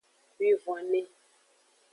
Wivonve.